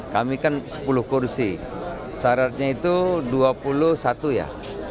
kami kan sepuluh kursi syaratnya itu dua puluh satu ya